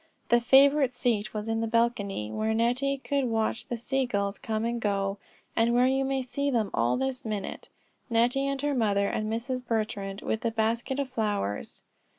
The favorite seat was in the balcony, where Nettie could watch the sea gulls come and go, and where you may see them all this minute, Nettie, and her mother, and Mrs. Betrand, with her basket of flowers.